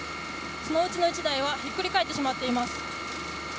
そのうちの１台はひっくり返ってしまっています。